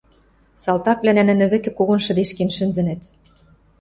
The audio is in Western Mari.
Салтаквлӓнӓ нӹнӹ вӹкӹ когон шӹдешкен шӹнзӹнӹт.